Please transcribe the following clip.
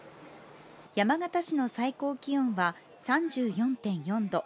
山形市の最高気温は３４．４度。